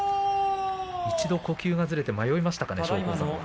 一度、呼吸がずれて迷いましたかね。